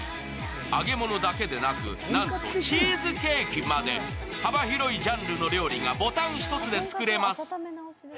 揚げ物だけでなく、なんとチーズケーキまで、幅広いジャンルの料理がボタン一つで作れます。